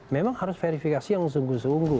memang harus verifikasi yang sungguh sungguh